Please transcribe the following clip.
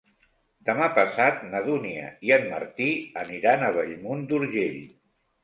Demà passat na Dúnia i en Martí aniran a Bellmunt d'Urgell.